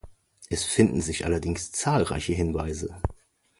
Es finden sich allerdings zahlreiche Hinweise.